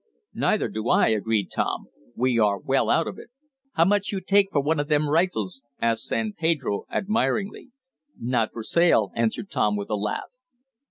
"Neither do I," agreed Tom. "We are well out of it." "How much you take for one of them rifles?" asked San Pedro admiringly. "Not for sale," answered Tom with a laugh.